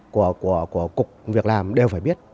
của cục việc làm đều phải biết